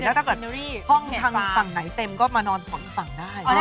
แล้วถ้าเกิดห้องทางฝั่งไหนเต็มก็มานอนอีกฝั่งได้